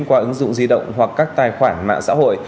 qua ứng dụng di động hoặc các tài khoản mạng xã hội